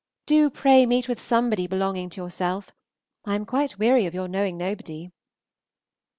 Do pray meet with somebody belonging to yourself. I am quite weary of your knowing nobody.